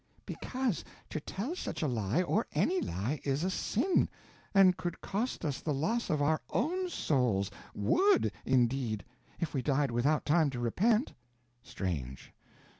"Because to tell such a lie, or any lie, is a sin, and could cost us the loss of our own souls would, indeed, if we died without time to repent." "Strange...